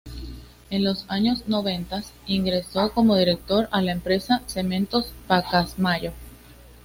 En los años noventas, ingresó como director a la empresa Cementos Pacasmayo.